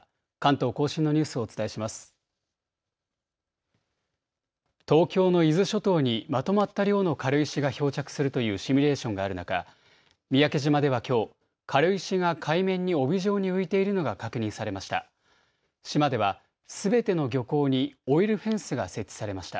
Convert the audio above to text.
東京の伊豆諸島にまとまった量の軽石が漂着するというシミュレーションがある中、三宅島ではきょう軽石が海面に帯状に浮いているのが確認されました。